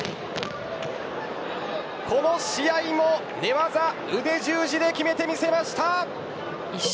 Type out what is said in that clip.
この試合も寝技、腕十字で決めてみせました。